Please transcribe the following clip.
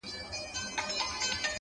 زلفي او باڼه اشــــــنـــــــــــا،